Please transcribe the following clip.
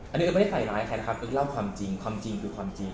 อันนี้ก็ไม่ได้ใส่ร้ายใครนะครับเอิ๊กเล่าความจริงความจริงคือความจริง